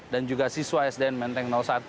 dan juga siswa sdn menteng satu